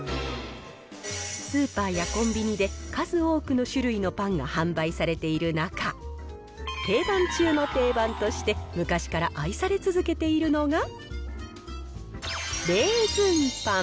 スーパーやコンビニで、数多くの種類のパンが販売されている中、定番中の定番として、昔から愛され続けているのがレーズンパン。